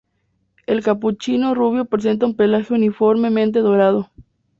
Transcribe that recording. El capuchino rubio presenta un pelaje uniformemente dorado.